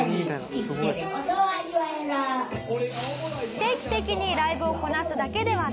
定期的にライブをこなすだけではなく。